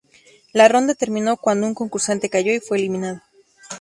La ronda terminó cuando un concursante cayó y fue eliminado.